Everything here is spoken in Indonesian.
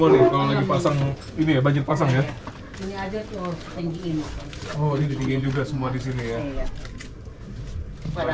oh ini tinggiin juga semua di sini ya